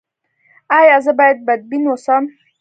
ایا زه باید بدبین اوسم؟